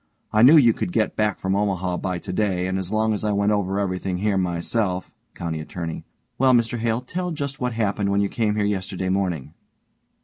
I knew you could get back from Omaha by today and as long as I went over everything here myself COUNTY ATTORNEY: Well, Mr Hale, tell just what happened when you came here yesterday morning.